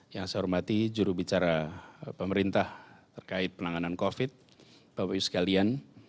yang saya hormati juru bicara pemerintah terkait penanganan covid sembilan belas bapak ibu sekalian